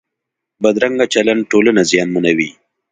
بدرنګه چلند ټولنه زیانمنوي